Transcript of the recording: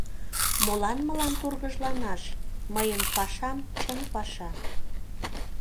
— Молан мылам тургыжланаш, мыйын пашам чын паша